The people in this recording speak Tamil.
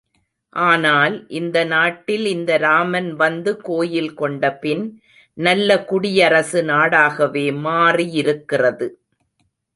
ஆனால் இந்த நாட்டில் இந்த ராமன் வந்து கோயில் கொண்டபின், நல்ல குடியரசு நாடாகவே மாறியிருக்கிறது.